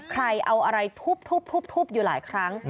ใครเอาอะไรทุบอยู่หลายครั้ง